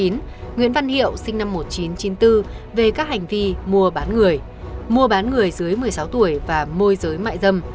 nguyễn văn hiệu sinh năm một nghìn chín trăm chín mươi bốn về các hành vi mua bán người mua bán người dưới một mươi sáu tuổi và môi giới mại dâm